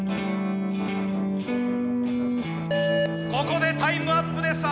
ここでタイムアップです